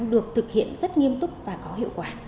được thực hiện rất nghiêm túc và có hiệu quả